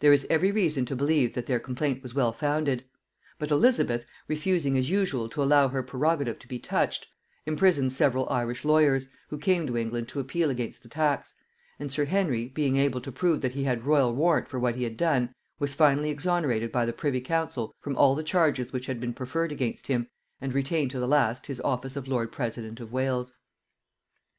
There is every reason to believe that their complaint was well founded; but Elizabeth, refusing as usual to allow her prerogative to be touched, imprisoned several Irish lawyers, who came to England to appeal against the tax; and sir Henry, being able to prove that he had royal warrant for what he had done, was finally exonerated by the privy council from all the charges which had been preferred against him, and retained to the last his office of lord president of Wales.